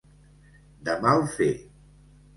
De mal fer.